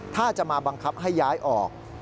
ถ้าจะมาบังคับให้ย้ายออก